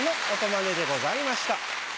まねでございました。